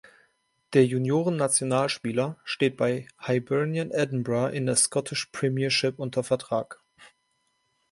Der Juniorennationalspieler steht bei Hibernian Edinburgh in der Scottish Premiership unter Vertrag.